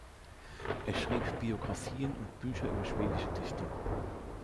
Er schrieb Biografien und Bücher über schwedische Dichtung.